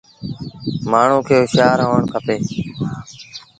مآڻهوٚݩ کي هوشآر هوڻ کپي۔